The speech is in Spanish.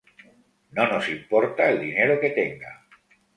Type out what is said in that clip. No nos importa el dinero que tenga.